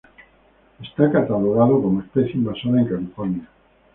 Está catalogado como especie invasora en California.